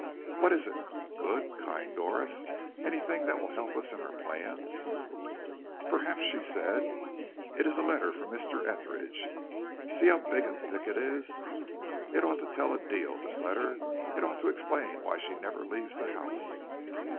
What is it, good, kind Doris; anything that will help us in our plans?" "Perhaps," said she. "It is a letter for Mr. Etheridge; see how big and thick it is. It ought to tell a deal, this letter; it ought to explain why she never leaves the house."